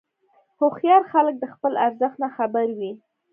هوښیار خلک د خپل ارزښت نه خبر وي.